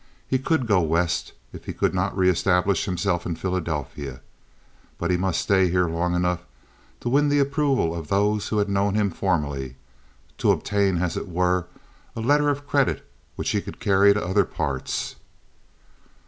He could go west if he could not reestablish himself in Philadelphia; but he must stay here long enough to win the approval of those who had known him formerly—to obtain, as it were, a letter of credit which he could carry to other parts.